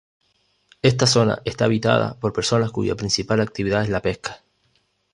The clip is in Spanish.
Esta zona está habitada por personas cuya principal actividad es la pesca.